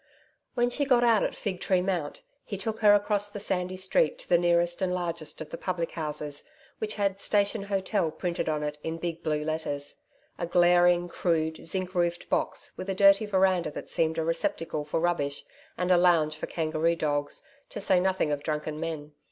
When she got out at Fig Tree Mount, he took her across the sandy street to the nearest and largest of the public houses which had 'Station Hotel' printed on it in big blue letters a glaring, crude, zinc roofed box with a dirty veranda that seemed a receptacle for rubbish and a lounge for kangaroo dogs, to say nothing of drunken men.